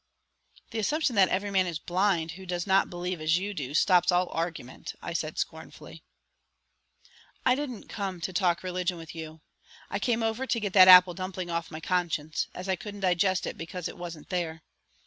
"The assumption that every man is blind who does not believe as you do, stops all argument," I said scornfully. "I didn't come to talk religion with you; I came over to get that apple dumpling off my conscience, as I couldn't digest it because it wasn't there.